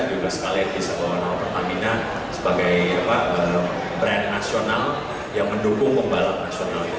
juga sekali bisa bawa nama pertamina sebagai brand nasional yang mendukung pembalap nasional